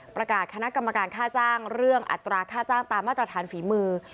ประกาศคณะกรรมการค่าจ้างเรื่องอัตราค่าจ้างตามมาตรฐานฝีมือ